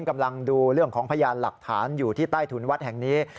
กำลังดูเรื่องของพยานหลักฐานอยู่ที่ใต้ถุนวัดแห่งนี้